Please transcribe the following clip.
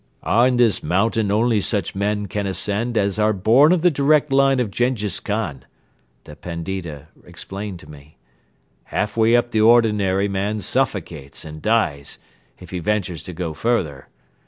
"On this mountain only such men can ascend as are born of the direct line of Jenghiz Khan," the Pandita explained to me. "Half way up the ordinary man suffocates and dies, if he ventures to go further.